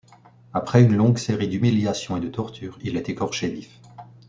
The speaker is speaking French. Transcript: Après une longue série d'humiliations et de tortures, il est écorché vif.